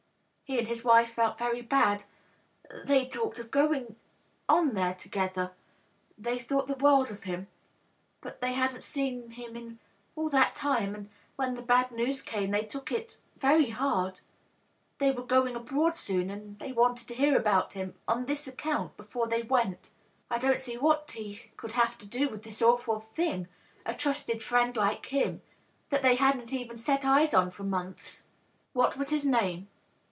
He and his wife felt very bad. They talked of going on there together. They thought the world of him, but they hadnH seen him in all that time, and when the bad news came they took it very hard. They were going abroad soon, and they wanted to hear about him, on this account, before they went. I don't see what he could have had to do with this awful thing — a trusted friend like him, that •ftiey hadn't even set eyes on for monflis." DOUGLAS DUANE. 637 " What was his name?'